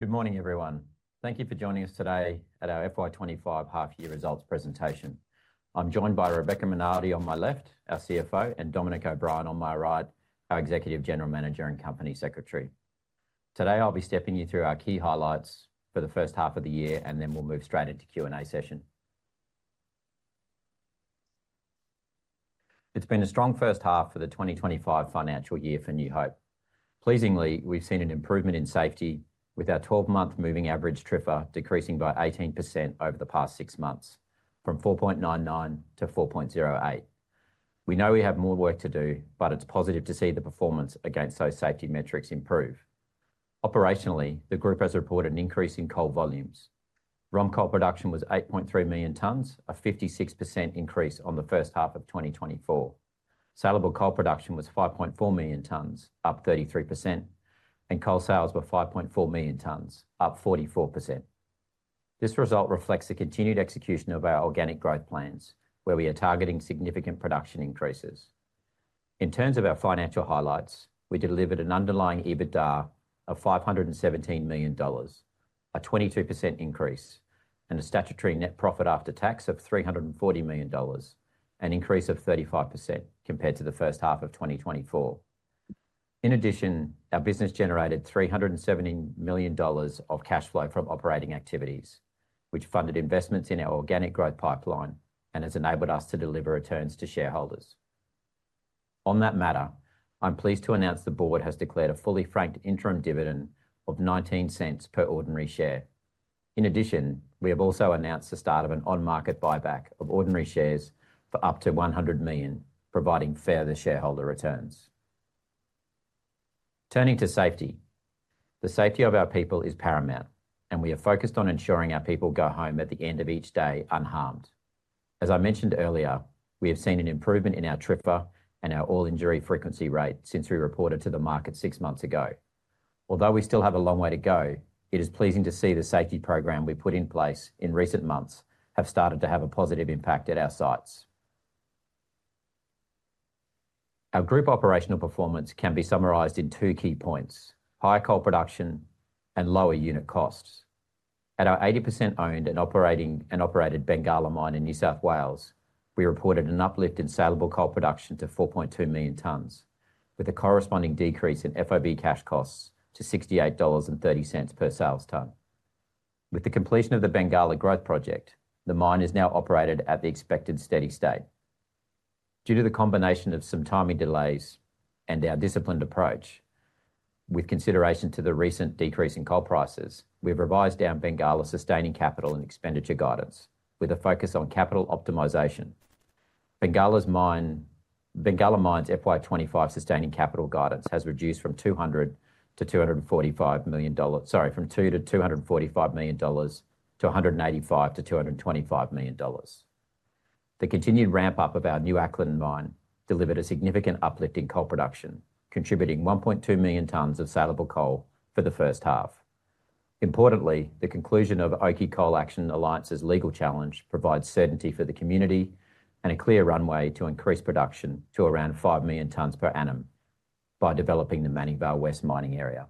Good morning, everyone. Thank you for joining us today at our FY 2025 half-year results presentation. I'm joined by Rebecca Rinaldi on my left, our CFO, and Dominic O'Brien on my right, our Executive General Manager and Company Secretary. Today, I'll be stepping you through our key highlights for the first half of the year, and then we'll move straight into the Q&A session. It's been a strong first half for the 2025 financial year for New Hope. Pleasingly, we've seen an improvement in safety, with our 12-month moving average TRIFR decreasing by 18% over the past six months, from 4.99 to 4.08. We know we have more work to do, but it's positive to see the performance against those safety metrics improve. Operationally, the Group has reported an increase in coal volumes. ROM coal production was 8.3 million tons, a 56% increase on the first half of 2024. Saleable coal production was 5.4 million tons, up 33%, and coal sales were 5.4 million tons, up 44%. This result reflects the continued execution of our organic growth plans, where we are targeting significant production increases. In terms of our financial highlights, we delivered an underlying EBITDA of $517 million, a 22% increase, and a statutory net profit after tax of $340 million, an increase of 35% compared to the first half of 2024. In addition, our business generated $317 million of cash flow from operating activities, which funded investments in our organic growth pipeline and has enabled us to deliver returns to shareholders. On that matter, I'm pleased to announce the Board has declared a fully franked interim dividend of $0.19 per ordinary share. In addition, we have also announced the start of an on-market buyback of ordinary shares for up to $100 million, providing further shareholder returns. Turning to safety, the safety of our people is paramount, and we are focused on ensuring our people go home at the end of each day unharmed. As I mentioned earlier, we have seen an improvement in our TRIFR and our all-injury frequency rate since we reported to the market six months ago. Although we still have a long way to go, it is pleasing to see the safety program we put in place in recent months have started to have a positive impact at our sites. Our Group operational performance can be summarized in two key points: higher coal production and lower unit costs. At our 80% owned and operated Bengalla Mine in New South Wales, we reported an uplift in saleable coal production to 4.2 million tons, with a corresponding decrease in FOB cash costs to $68.30 per sales ton. With the completion of the Bengalla growth project, the mine is now operated at the expected steady state. Due to the combination of some timing delays and our disciplined approach, with consideration to the recent decrease in coal prices, we've revised our Bengalla sustaining capital and expenditure guidance, with a focus on capital optimization. Bengalla mine's FY 2025 sustaining capital guidance has reduced from 200 million-245 million—sorry, from 200 million-245 million dollars to 185 million-225 million dollars. The continued ramp-up of our New Acland mine delivered a significant uplift in coal production, contributing 1.2 million tons of saleable coal for the first half. Importantly, the conclusion of Oakey Coal Action Alliance's legal challenge provides certainty for the community and a clear runway to increase production to around 5 million tons per annum by developing the Manning Valley West mining area.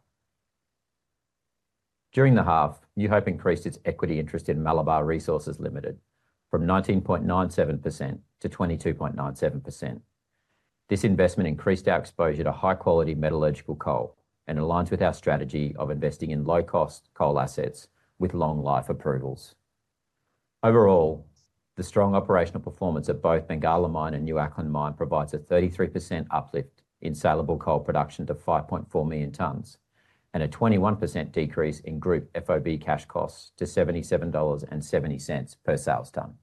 During the half, New Hope increased its equity interest in Malabar Resources Limited from 19.97% to 22.97%. This investment increased our exposure to high-quality metallurgical coal and aligns with our strategy of investing in low-cost coal assets with long-life approvals. Overall, the strong operational performance of both Bengalla Mine and New Acland Mine provides a 33% uplift in saleable coal production to 5.4 million tons and a 21% decrease in Group FOB cash costs to 77.70 dollars per sales ton.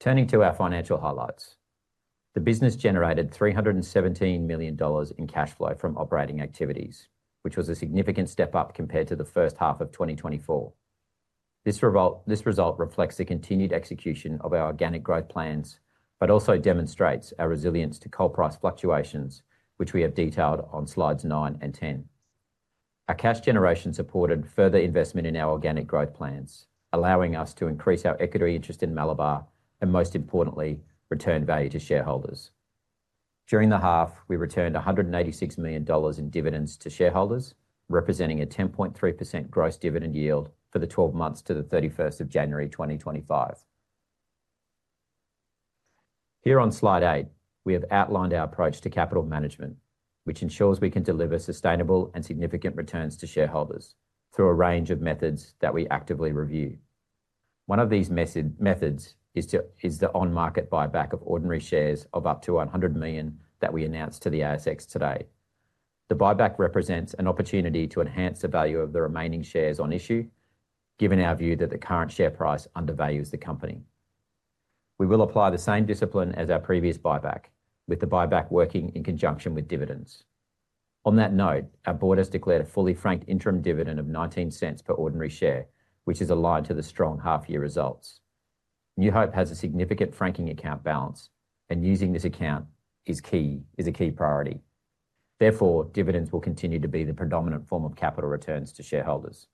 Turning to our financial highlights, the business generated 317 million dollars in cash flow from operating activities, which was a significant step up compared to the first half of 2024. This result reflects the continued execution of our organic growth plans but also demonstrates our resilience to coal price fluctuations, which we have detailed on slides 9 and 10. Our cash generation supported further investment in our organic growth plans, allowing us to increase our equity interest in Malabar and, most importantly, return value to shareholders. During the half, we returned 186 million dollars in dividends to shareholders, representing a 10.3% gross dividend yield for the 12 months to January 31st, 2025. Here on slide 8, we have outlined our approach to capital management, which ensures we can deliver sustainable and significant returns to shareholders through a range of methods that we actively review. One of these methods is the on-market buyback of ordinary shares of up to 100 million that we announced to the ASX today. The buyback represents an opportunity to enhance the value of the remaining shares on issue, given our view that the current share price undervalues the company. We will apply the same discipline as our previous buyback, with the buyback working in conjunction with dividends. On that note, our Board has declared a fully franked interim dividend of 0.19 per ordinary share, which is aligned to the strong half-year results. New Hope has a significant franking account balance, and using this account is a key priority. Therefore, dividends will continue to be the predominant form of capital returns to shareholders.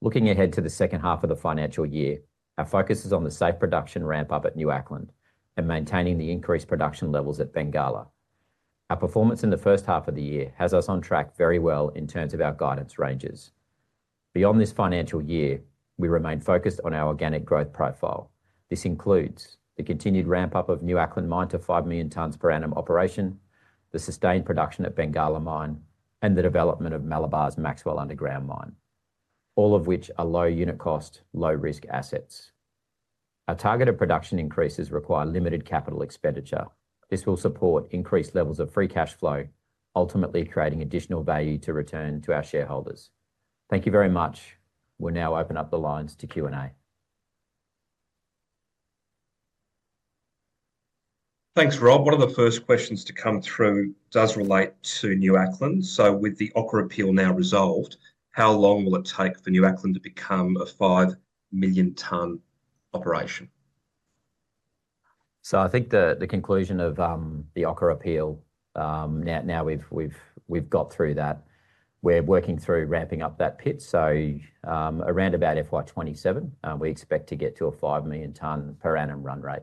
Looking ahead to the second half of the financial year, our focus is on the safe production ramp-up at New Acland and maintaining the increased production levels at Bengalla. Our performance in the first half of the year has us on track very well in terms of our guidance ranges. Beyond this financial year, we remain focused on our organic growth profile. This includes the continued ramp-up of New Acland Mine to a 5 million tons per annum operation, the sustained production at Bengalla Mine, and the development of Malabar's Maxwell Underground Mine, all of which are low-unit cost, low-risk assets. Our targeted production increases require limited capital expenditure. This will support increased levels of free cash flow, ultimately creating additional value to return to our shareholders. Thank you very much. We'll now open up the lines to Q&A. Thanks, Rob. One of the first questions to come through does relate to New Acland. With the Oakey appeal now resolved, how long will it take for New Acland to become a 5 million ton operation? I think the conclusion of the Oakey appeal, now we've got through that. We're working through ramping up that pit. Around FY 2027, we expect to get to a 5 million ton per annum run rate.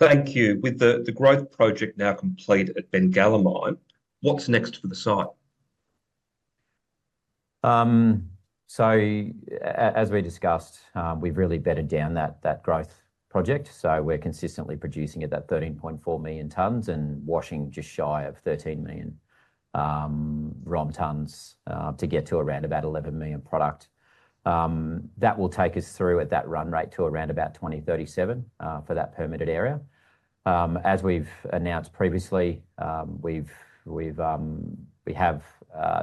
Thank you. With the growth project now complete at Bengalla mine, what's next for the site? As we discussed, we've really bettered down that growth project. We're consistently producing at that 13.4 million tons and washing just shy of 13 million ROM tons to get to around about 11 million product. That will take us through at that run rate to around about 2037 for that permitted area. As we've announced previously, we have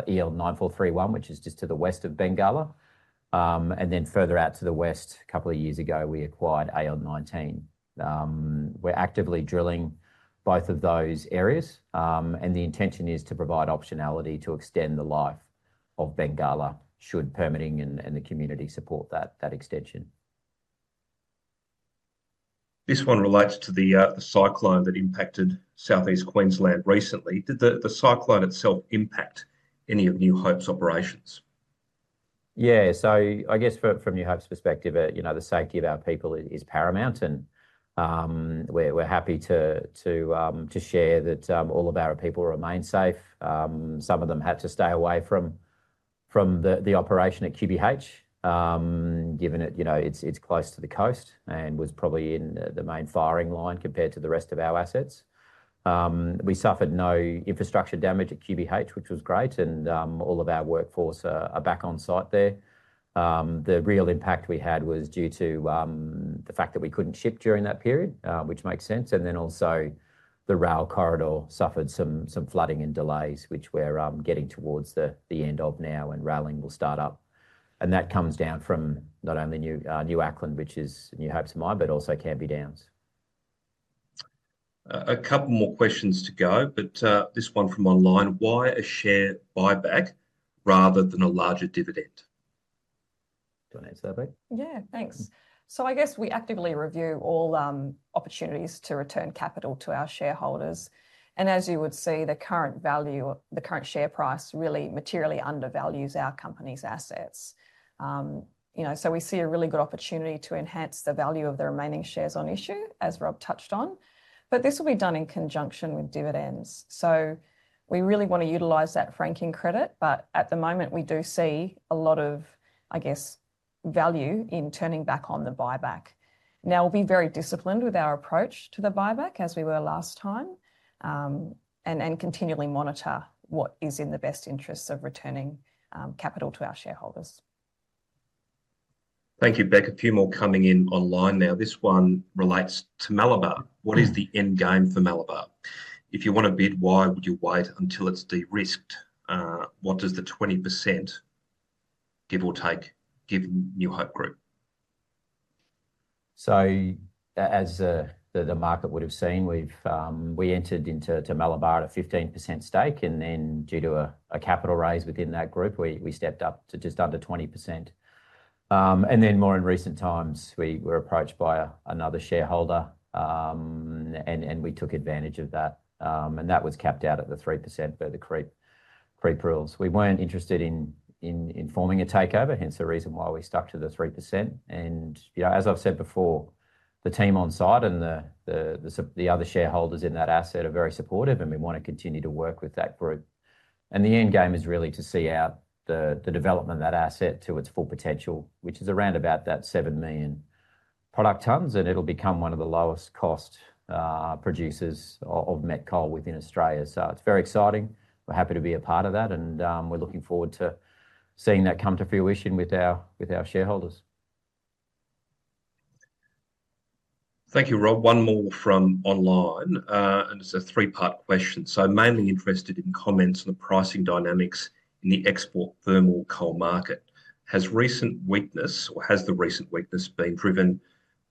EL 9431, which is just to the west of Bengalla. Further out to the west, a couple of years ago, we acquired AL 19. We're actively drilling both of those areas, and the intention is to provide optionality to extend the life of Bengalla should permitting and the community support that extension. This one relates to the cyclone that impacted Southeast Queensland recently. Did the cyclone itself impact any of New Hope's operations? Yeah. I guess from New Hope's perspective, the safety of our people is paramount, and we're happy to share that all of our people remain safe. Some of them had to stay away from the operation at QBH, given it's close to the coast and was probably in the main firing line compared to the rest of our assets. We suffered no infrastructure damage at QBH, which was great, and all of our workforce are back on site there. The real impact we had was due to the fact that we couldn't ship during that period, which makes sense. Also, the rail corridor suffered some flooding and delays, which we're getting towards the end of now, and railing will start up. That comes down from not only New Acland, which is New Hope's mine, but also Cameby Downs. A couple more questions to go, but this one is from online. Why a share buyback rather than a larger dividend? Do you want to answer that, Becc? Yeah, thanks. I guess we actively review all opportunities to return capital to our shareholders. As you would see, the current value, the current share price really materially undervalues our company's assets. We see a really good opportunity to enhance the value of the remaining shares on issue, as Rob touched on, but this will be done in conjunction with dividends. We really want to utilize that franking credit, but at the moment, we do see a lot of value in turning back on the buyback. We will be very disciplined with our approach to the buyback, as we were last time, and continually monitor what is in the best interests of returning capital to our shareholders. Thank you, Becc. A few more coming in online now. This one relates to Malabar. What is the end game for Malabar? If you want to bid, why would you wait until it's de-risked? What does the 20% give or take give New Hope Group? As the market would have seen, we entered into Malabar at a 15% stake, and then due to a capital raise within that group, we stepped up to just under 20%. In more recent times, we were approached by another shareholder, and we took advantage of that, and that was capped out at the 3% for the creep rules. We were not interested in forming a takeover, hence the reason why we stuck to the 3%. As I have said before, the team on site and the other shareholders in that asset are very supportive, and we want to continue to work with that group. The end game is really to see out the development of that asset to its full potential, which is around about that 7 million product tons, and it will become one of the lowest-cost producers of met coal within Australia. It is very exciting. We are happy to be a part of that, and we are looking forward to seeing that come to fruition with our shareholders. Thank you, Rob. One more from online, and it's a three-part question. Mainly interested in comments on the pricing dynamics in the export thermal coal market. Has recent weakness, or has the recent weakness, been driven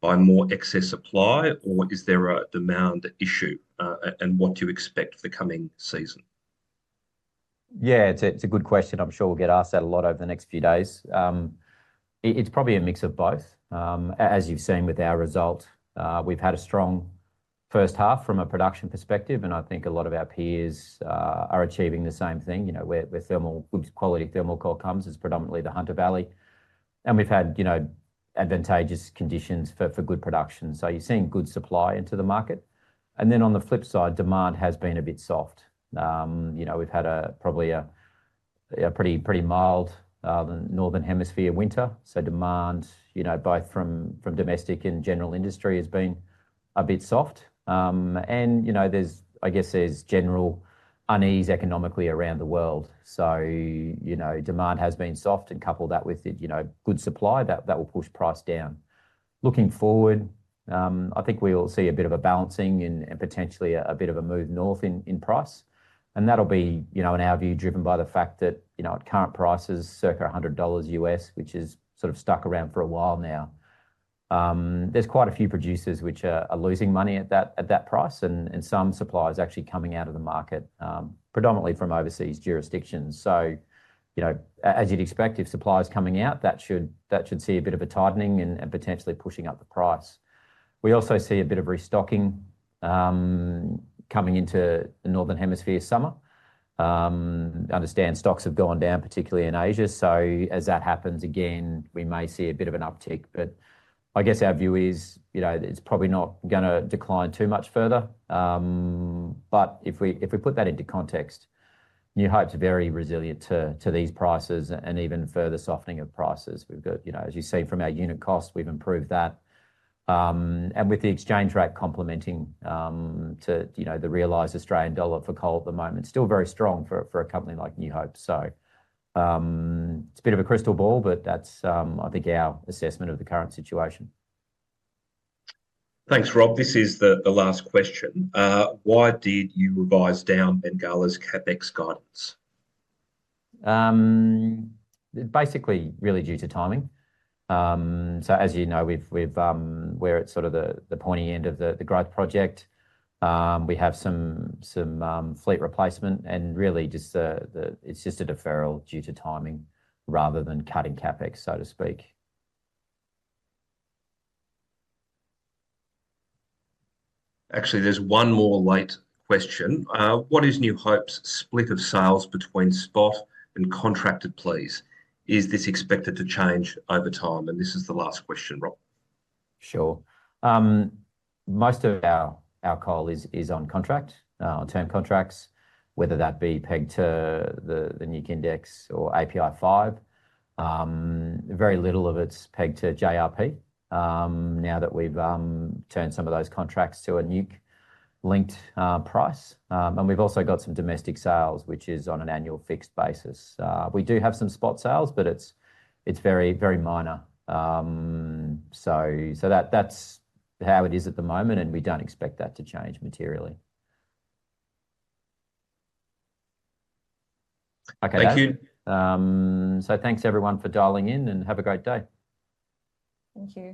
by more excess supply, or is there a demand issue, and what do you expect for the coming season? Yeah, it's a good question. I'm sure we'll get asked that a lot over the next few days. It's probably a mix of both. As you've seen with our result, we've had a strong first half from a production perspective, and I think a lot of our peers are achieving the same thing. Where quality thermal coal comes is predominantly the Hunter Valley, and we've had advantageous conditions for good production. You're seeing good supply into the market. On the flip side, demand has been a bit soft. We've had probably a pretty mild northern hemisphere winter, so demand, both from domestic and general industry, has been a bit soft. I guess there's general unease economically around the world. Demand has been soft, and couple that with good supply, that will push price down. Looking forward, I think we will see a bit of a balancing and potentially a bit of a move north in price, and that'll be, in our view, driven by the fact that current price is circa $100 US, which is sort of stuck around for a while now. There's quite a few producers which are losing money at that price, and some supply is actually coming out of the market, predominantly from overseas jurisdictions. As you'd expect, if supply is coming out, that should see a bit of a tightening and potentially pushing up the price. We also see a bit of restocking coming into the northern hemisphere summer. I understand stocks have gone down, particularly in Asia. As that happens again, we may see a bit of an uptick, but I guess our view is it's probably not going to decline too much further. If we put that into context, New Hope's very resilient to these prices and even further softening of prices. As you've seen from our unit cost, we've improved that. With the exchange rate complementing the realized Australian dollar for coal at the moment, still very strong for a company like New Hope. It's a bit of a crystal ball, but that's, I think, our assessment of the current situation. Thanks, Rob. This is the last question. Why did you revise down Bengalla's CapEx guidance? Basically, really due to timing. As you know, we're at sort of the pointy end of the growth project. We have some fleet replacement, and really, it's just a deferral due to timing rather than cutting CapEx, so to speak. Actually, there's one more late question. What is New Hope's split of sales between spot and contracted, please? Is this expected to change over time? This is the last question, Rob. Sure. Most of our coal is on contract, on term contracts, whether that be pegged to the NEWC index or API 5. Very little of it is pegged to JRP now that we have turned some of those contracts to a NEWC-linked price. We have also got some domestic sales, which is on an annual fixed basis. We do have some spot sales, but it is very minor. That is how it is at the moment, and we do not expect that to change materially. Thank you. Thanks, everyone, for dialing in, and have a great day. Thank you.